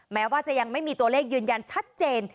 แม้ว่าจะยังไม่มีตัวเลขยืนยันชัดเจน